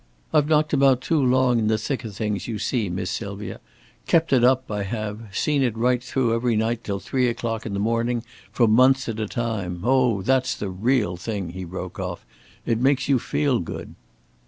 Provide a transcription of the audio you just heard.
I've knocked about too long in the thick o' things, you see, Miss Sylvia, kept it up I have seen it right through every night till three o'clock in the morning, for months at a time. Oh, that's the real thing!" he broke off. "It makes you feel good."